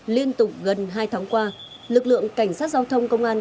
liên tục gần hai tháng qua lực lượng cảnh sát giao thông công an